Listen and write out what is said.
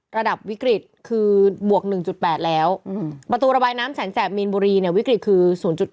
ระดับวิกฤตคือบวก๑๘แล้วประตูระบายน้ำแสนแสบมีนบุรีวิกฤตคือ๐๙